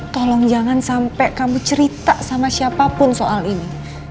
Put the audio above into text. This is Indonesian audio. tolong jangan sampai kamu cerita sama siapapun soal ini